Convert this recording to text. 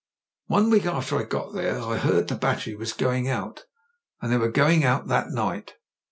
''One week after I got there I heard the battery was going out : and they were going out that night.